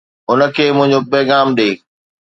هن کي منهنجو پيغام ڏي